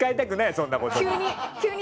そんなことに。